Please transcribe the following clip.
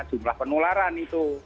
jumlah penularan itu